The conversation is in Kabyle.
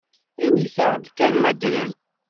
Init-aɣ-d kan ma ddren?